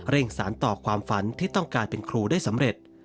สารต่อความฝันที่ต้องการเป็นครูได้สำเร็จ